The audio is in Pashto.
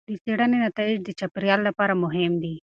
د څېړنې نتایج د چاپیریال لپاره مهم دي.